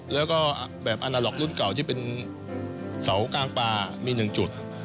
แล้วก็แบบอาณาล็อกรุ่นเก่าที่เป็นเสากลางปลามี๑จุด